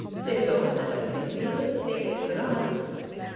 'Sae lang, that I could weel tak a dram.'